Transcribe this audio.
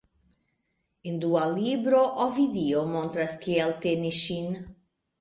En dua libro, Ovidio montras kiel teni ŝin.